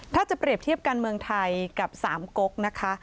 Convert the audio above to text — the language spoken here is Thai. ถ้าจะเปรียบเทียบการเมืองไทยกับสามกกนะคะ